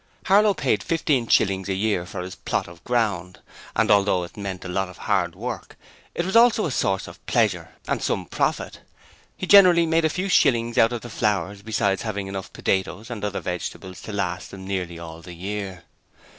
Harlow paid fifteen shillings a year for his plot of ground, and although it meant a lot of hard work it was also a source of pleasure and some profit. He generally made a few shillings out of the flowers, besides having enough potatoes and other vegetables to last them nearly all the year.